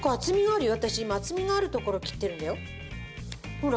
ほら。